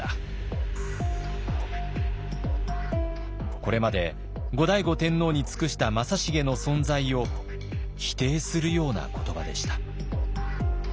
これまで後醍醐天皇に尽くした正成の存在を否定するような言葉でした。